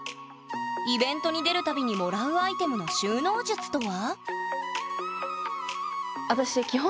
イベントに出る度にもらうアイテムの収納術とは？